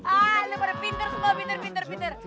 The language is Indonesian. ah lo pada pinter semua pinter pinter pinter